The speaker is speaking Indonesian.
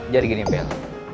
jadi gini p l